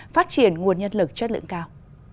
phát triển nguồn nhân lực chất lượng cao